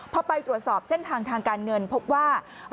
พอไปตรวจสอบเส้นทางทางการเงินพบว่า